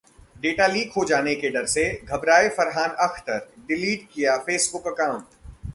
data leak हो जाने के डर से घबराए फरहान अख्तर, डिलीट किया फेसबुक अकाउंट